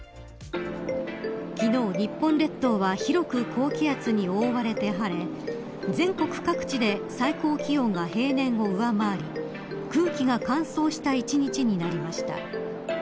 昨日、日本列島は広く高気圧に覆われて晴れ全国各地で最高気温が平年を上回り空気が乾燥した一日になりました。